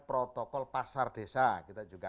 protokol pasar desa kita juga